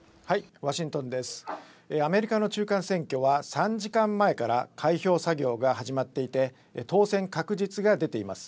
アメリカの中間選挙は３時間前から開票作業が始まっていて当選確実が出ています。